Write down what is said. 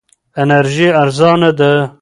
انرژي ارزانه ده.